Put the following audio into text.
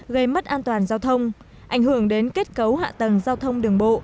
gây mất an toàn giao thông ảnh hưởng đến kết cấu hạ tầng giao thông đường bộ